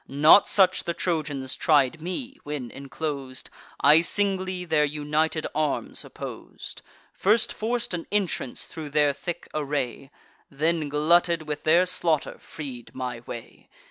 Not such the Trojans tried me, when, inclos'd, I singly their united arms oppos'd: First forc'd an entrance thro' their thick array; Then, glutted with their slaughter, freed my way.